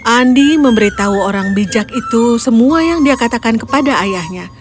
andi memberitahu orang bijak itu semua yang dia katakan kepada ayahnya